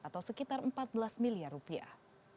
atau sekitar empat belas miliar rupiah